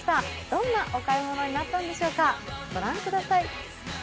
どんなお買い物になったんでしょうか、御覧ください。